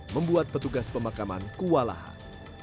membuat petugas pemakaman kualahan